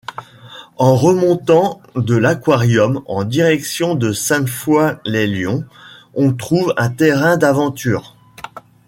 En remontant de l'aquarium en direction de Sainte-Foy-lès-Lyon, on trouve un terrain d'aventures.